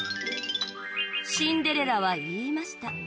シンデレラは言いました